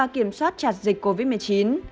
kiểm soát chặt dịch covid một mươi chín